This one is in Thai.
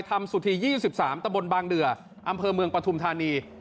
ทำสุทียี่สิบสามตะบนบางเดืออำเภอเมืองปทุมธานี